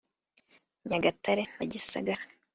Nyagatare na Gisagara